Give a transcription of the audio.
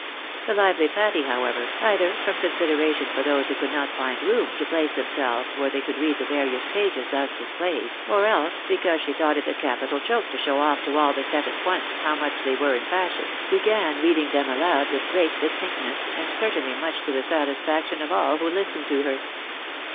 The lively Patty, however, either from consideration for those who could not find room to place themselves where they could read the various pages thus displayed, or else because she thought it a, capital joke to show off to aU the set at once how much they were in fashion, began reading them aloud with great distinctness, and certainly much to the satisfaction of all who Kstened to her.